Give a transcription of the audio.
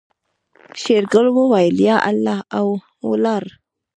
شېرګل وويل يا الله او ولاړ.